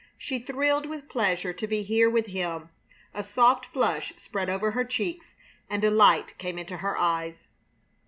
She thrilled with pleasure to be here with him; a soft flush spread over her cheeks and a light came into her eyes.